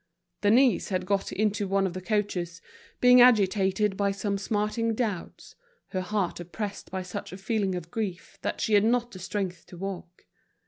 Denise had got into one of the coaches, being agitated by some smarting doubts, her heart oppressed by such a feeling of grief that she had not the strength to walk.